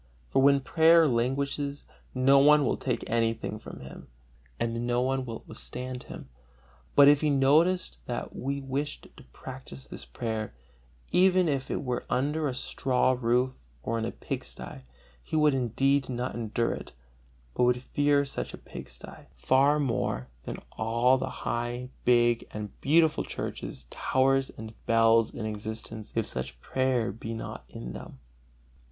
For when prayer languishes, no one will take anything from him, and no one will withstand him. But if he noticed that we wished to practise this prayer, even if it were under a straw roof or in a pig sty, he would indeed not endure it, but would fear such a pig sty far more than all the high, big and beautiful churches, towers and bells in existence, if such prayer be not in them.